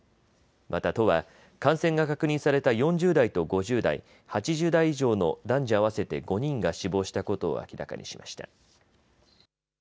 また都は感染が確認された４０代と５０代、８０代以上の男女合わせて５人が死亡したことを明らかにしました。